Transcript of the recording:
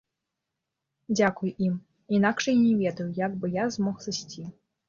Дзякуй ім, інакш я не ведаю, як бы я змог сысці.